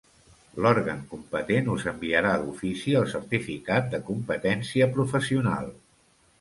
L'òrgan competent us enviarà d'ofici el certificat de competència professional.